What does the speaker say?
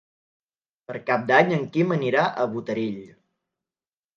Per Cap d'Any en Quim anirà a Botarell.